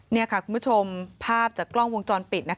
นี่ค่ะคุณผู้ชมภาพจากกล้องวงจรปิด